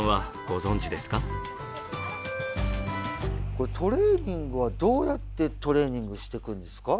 これトレーニングはどうやってトレーニングしていくんですか？